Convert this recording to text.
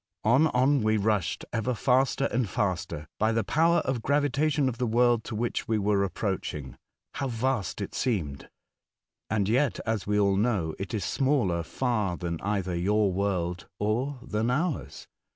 On, on we rushed, ever faster and faster, by the power of gravitation of the world to which we were approaching. How vast it seemed ; The Ice Island. 101 and yefc, as we all know, it is smaller far than either your world or than ours.